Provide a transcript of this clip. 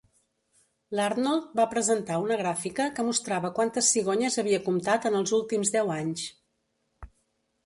L'Arnold va presentar una gràfica que mostrava quantes cigonyes havia comptat en els últims deu anys.